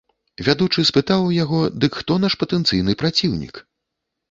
Вядучы спытаў у яго, дык хто наш патэнцыйны праціўнік?